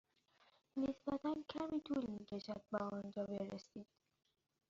نسبتا کمی طول می کشد به آنجا برسید.